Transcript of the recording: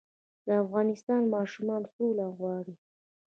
د افغانستان ماشومان سوله غواړي